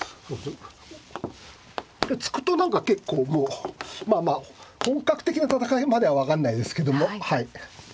突くと何か結構もうまあまあ本格的な戦いまでは分かんないですけども。